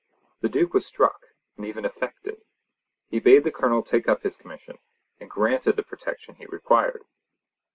The Duke was struck, and even affected. He bade the Colonel take up his commission, and granted the protection he required.